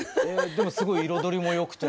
でもすごい彩りもよくて。